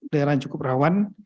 daerah cukup rawan